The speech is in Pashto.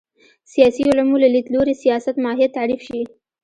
سیاسي علومو له لید لوري سیاست ماهیت تعریف شي